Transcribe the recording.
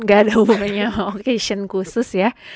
gak ada hubungannya sama asian khusus ya